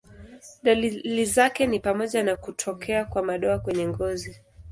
Dalili zake ni pamoja na kutokea kwa madoa kwenye ngozi.